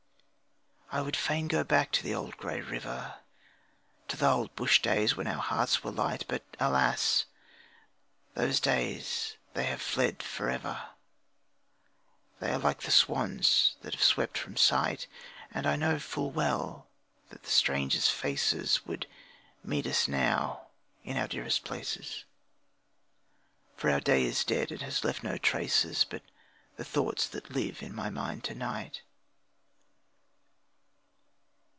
I would fain go back to the old grey river, To the old bush days when our hearts were light, But, alas! those days they have fled for ever, They are like the swans that have swept from sight. And I know full well that the strangers' faces Would meet us now in our dearest places; For our day is dead and has left no traces But the thoughts that live in my mind to night.